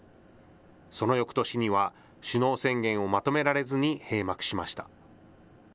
そのよくとしには、首脳宣言をまとめられずに閉幕しました。